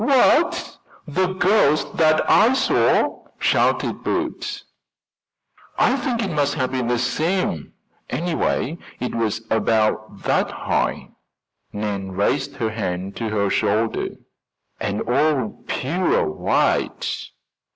"What, the ghost that I saw?" shouted Bert. "I think it must have been the same. Anyway, it was about that high" Nan raised her hand to her shoulder "and all pure white."